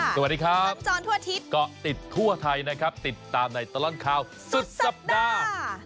สวัสดีครับสัญจรทั่วอาทิตย์เกาะติดทั่วไทยนะครับติดตามในตลอดข่าวสุดสัปดาห์